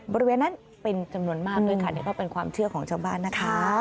บริเวณนั้นเป็นจำนวนมากด้วยค่ะนี่ก็เป็นความเชื่อของชาวบ้านนะคะ